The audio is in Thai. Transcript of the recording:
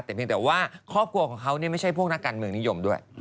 แต่เพียงแต่ว่าครอบครัวของเขาไม่ใช่พวกนักการเมืองนิยมด้วย